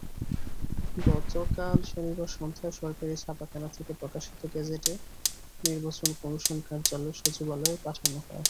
গতকাল শনিবার সন্ধ্যায় সরকারি ছাপাখানা থেকে প্রকাশিত গেজেট নির্বাচন কমিশন সচিবালয়ে পাঠানো হয়।